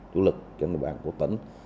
chủ lực trên địa bàn của tỉnh